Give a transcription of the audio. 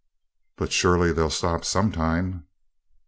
"But surely they'll stop, some time?"